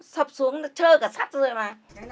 sập xuống nó chơi cả sắt rồi mà